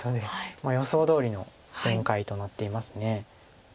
予想どおりの展開となっています。